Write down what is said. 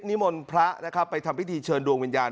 มนต์พระนะครับไปทำพิธีเชิญดวงวิญญาณ